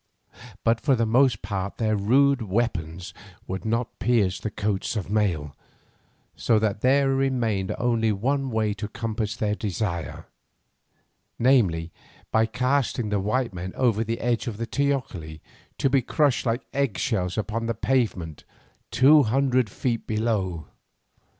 But for the most part their rude weapons would not pierce the coats of mail, so that there remained only one way to compass their desire, namely, by casting the white men over the edge of the teocalli to be crushed like eggshells upon the pavement two hundred feet below.